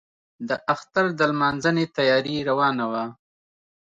د اختر د لمانځنې تیاري روانه وه.